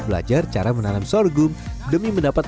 belajar cara menanam sorghum demi mendapat